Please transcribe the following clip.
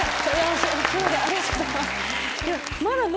ありがとうございます。